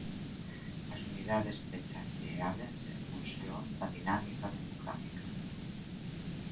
As unidades péchanse e ábrense en función da dinámica demográfica.